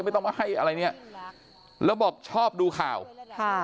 ไม่ต้องมาให้อะไรเนี้ยแล้วบอกชอบดูข่าวค่ะ